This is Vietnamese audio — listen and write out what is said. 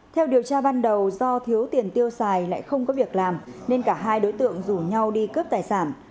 theo điều tra ban đầu do thiếu tiền tiêu xài lại không có việc làm nên cả hai đối tượng rủ nhau đi cướp tài sản